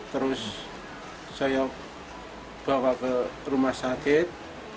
terus saya bawa ke rumah sakit